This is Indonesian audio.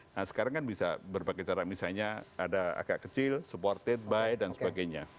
nah sekarang kan bisa berbagai cara misalnya ada agak kecil supported by dan sebagainya